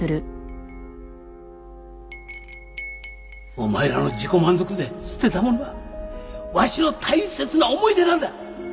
お前らの自己満足で捨てた物はわしの大切な思い出なんだ！